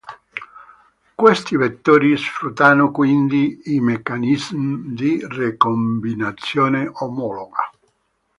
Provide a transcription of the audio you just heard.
Questi vettori sfruttano, quindi, i meccanismi di ricombinazione omologa.